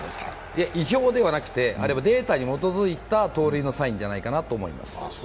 いや、意表ではなくてデータに基づいた盗塁のサインじゃないかなと。